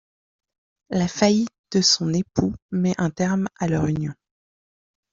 La faillite de son époux met un terme à leur union.